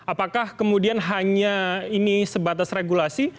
apakah kemudian hanya ini sebatas regulasi